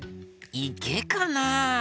いけかな？